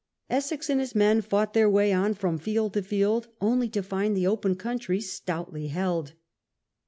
Essex and his men fought their way on from field to field only to find the open country stoutly held.